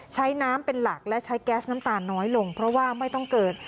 ใช้น้ำเป็นหลักและใช้แก๊สน้ำตาลน้อยลงเพราะว่าไม่ต้องเกิน